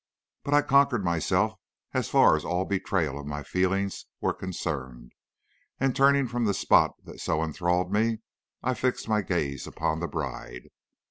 "But I conquered myself, as far as all betrayal of my feelings was concerned, and turning from the spot that so enthralled me, I fixed my gaze upon the bride.